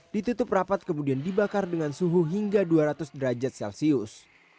ditutup rapat kemudian dibakar dengan suhu hingga dua ratus derajat celcius